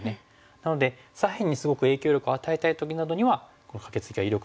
なので左辺にすごく影響力を与えたい時などにはこのカケツギは有力なんですね。